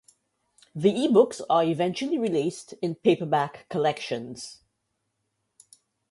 The eBooks are eventually released in paperback collections.